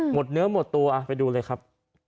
หมดเนื้อหมดตัวไปดูเลยครับ